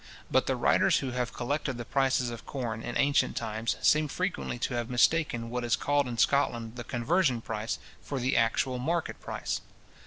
But the writers who have collected the prices of corn in ancient times seem frequently to have mistaken what is called in Scotland the conversion price for the actual market price.